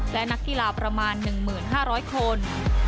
และนักกีฬาประมาณ๑๕๐๐คน